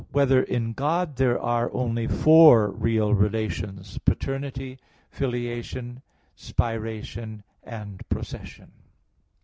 3] Whether in God There Are Only Four Real Relations Paternity, Filiation, Spiration, and Procession?